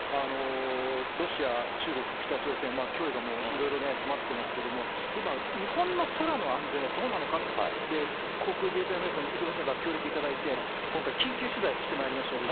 ロシア、中国、北朝鮮、脅威がもういろいろ迫っていますけれども、今、航空自衛隊の皆さん、忙しい中、協力いただいて、今回、緊急取材してまいりましたので。